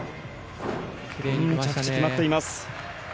着地決まっています。